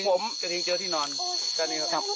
ขอบคุณทุกคน